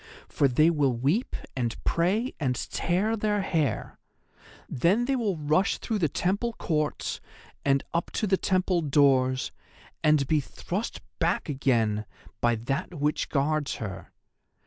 For they will weep and pray and tear their hair. Then they will rush through the temple courts and up to the temple doors, and be thrust back again by that which guards her.